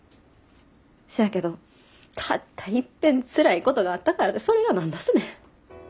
せやけどたったいっぺんつらいことがあったからてそれが何だすね。